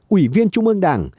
ủy viên trung ương đảng